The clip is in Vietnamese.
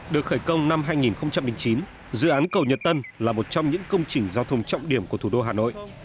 được khởi công năm hai nghìn chín dự án cầu nhật tân là một trong những công trình giao thông trọng điểm của thủ đô hà nội